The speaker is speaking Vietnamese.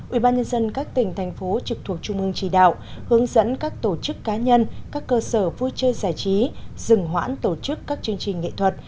ủy ban nhân dân các tỉnh thành phố trực thuộc trung ương chỉ đạo hướng dẫn các tổ chức cá nhân các cơ sở vui chơi giải trí dừng hoãn tổ chức các chương trình nghệ thuật